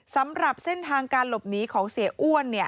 สำหรับเส้นทางการหลบหนีของเสียอ้วน